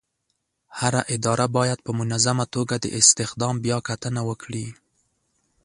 هره اداره باید په منظمه توګه د استخدام بیاکتنه وکړي.